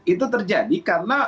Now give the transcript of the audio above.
itu terjadi karena